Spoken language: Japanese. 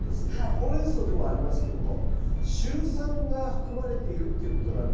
ホウレンソウでもありますけどもシュウ酸が含まれているっていうことなんですよね。